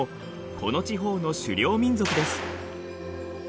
この地方の狩猟民族です。